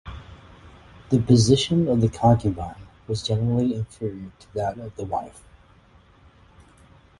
The position of the concubine was generally inferior to that of the wife.